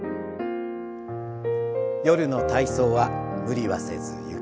夜の体操は無理はせずゆっくり。